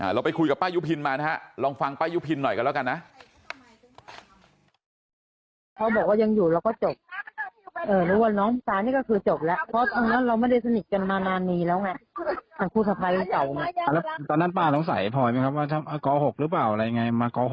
เราไปคุยกับป้ายุพินมานะฮะลองฟังป้ายุพินหน่อยกันแล้วกันนะ